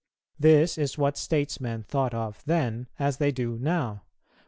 This is what statesmen thought of then, as they do now.